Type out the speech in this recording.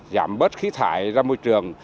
giảm bớt khí thải ra môi trường